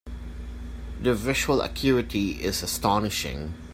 The visual acuity is astonishing.